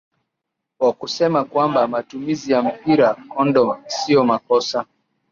wa kusema kwamba matumizi ya mpira kondom sio makosa